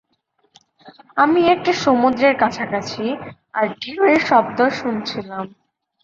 আমি একটা সমুদ্রের কাছাকাছি, আর ঢেউয়ের শব্দ শুনছিলাম।